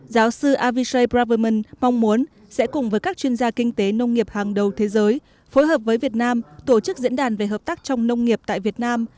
giáo sư avishai barverman mong muốn sẽ cùng với các chuyên gia kinh tế nông nghiệp hàng đầu thế giới phối hợp với việt nam tổ chức diễn đàn về hợp tác trong nông nghiệp tại việt nam